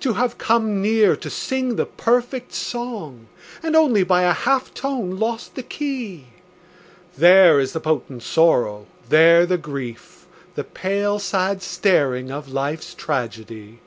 To have come near to sing the perfect song And only by a half tone lost the key, There is the potent sorrow, there the grief, The pale, sad staring of life's tragedy.